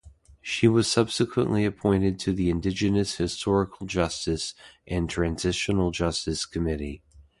She was subsequently appointed to the Indigenous Historical Justice and Transitional Justice Committee.